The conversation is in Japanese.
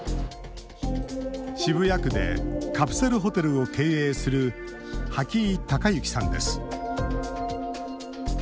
渋谷区でカプセルホテルを経営する波木井孝幸さんです。